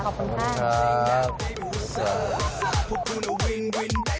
ขอบคุณค่ะ